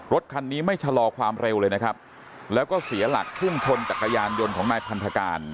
รถคันนี้ไม่ชะลอความเร็วเลยนะครับแล้วก็เสียหลักพุ่งชนจักรยานยนต์ของนายพันธการ